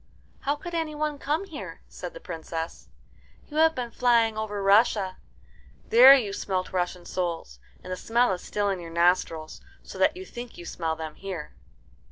"How could any one come here?" said the Princess. "You have been flying over Russia. There you smelt Russian souls, and the smell is still in your nostrils, so that you think you smell them here."